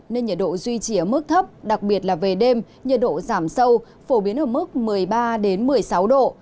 nên nhiệt độ duy trì ở mức thấp đặc biệt là về đêm nhiệt độ giảm sâu phổ biến ở mức một mươi ba một mươi sáu độ